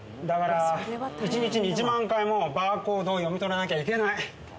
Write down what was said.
だから１日に１万回もバーコードを読み取らないといけない。